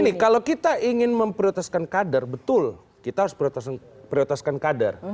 begini kalau kita ingin memprioritaskan kader betul kita harus prioritaskan kader